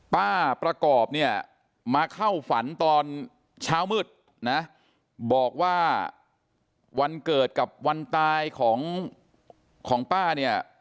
ป้าประกอบเนี่ยมาเข้าฝันตอนเช้ามืดนะบอกว่าวันเกิดกับวันตายของของป้าเนี่ย